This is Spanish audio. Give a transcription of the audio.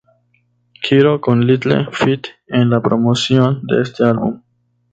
Giró con Little Feat en la promoción de este álbum.